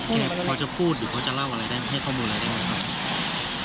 พอจะพูดหรือเขาจะเล่าอะไรได้ให้ข้อมูลอะไรได้ไหมครับ